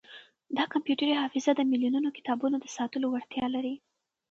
دا کمپیوټري حافظه د ملیونونو کتابونو د ساتلو وړتیا لري.